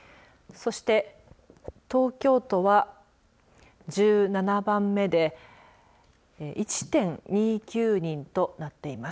そして東京都は１７番目で１．２９人となっています。